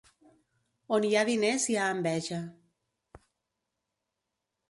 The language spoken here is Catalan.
On hi ha diners hi ha enveja.